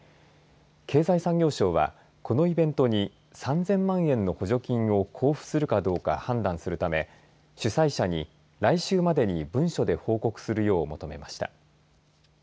経済産業省は、このイベントに３０００万円の補助金を交付するかどうか判断するため主催者に来週までに文書で報告するよう求めました。